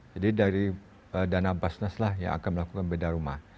jadi dari dana basnas yang akan melakukan bedah rumah